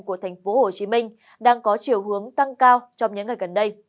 của thành phố hồ chí minh đang có chiều hướng tăng cao trong những ngày gần đây